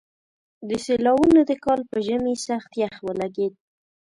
د سېلاوونو د کال په ژمي سخت يخ ولګېد.